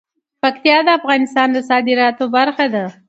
پکتیا د افغانستان د صادراتو برخه ده.